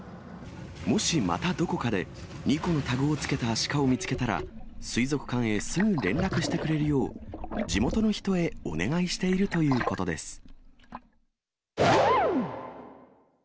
もしまたどこかで、２個のタグをつけたアシカを見つけたら、水族館へすぐに連絡してくれるよう、地元の人へお願いしているということです。